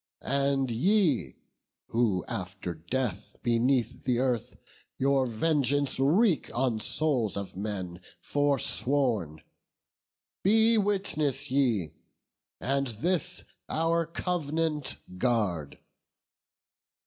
And ye, who after death beneath the earth Your vengeance wreak on souls of men forsworn, Be witness ye, and this our cov'nant guard.